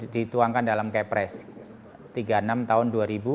dituangkan dalam kepres tiga puluh enam tahun dua ribu dua puluh